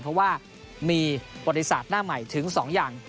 เพราะว่ามีประวัติศาสตร์หน้าใหม่ถึง๒อย่าง